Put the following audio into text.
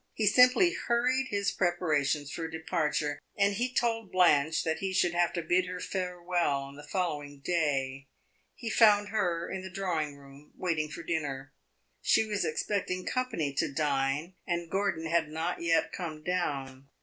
He simply hurried his preparations for departure, and he told Blanche that he should have to bid her farewell on the following day. He had found her in the drawing room, waiting for dinner. She was expecting company to dine, and Gordon had not yet come down.